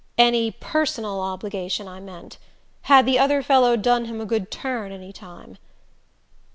"Any personal obligation, I meant. Had the other fellow done him a good turn any time?"